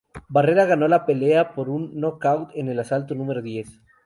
Barrera ganó la pelea por un nocaut en el asalto número diez.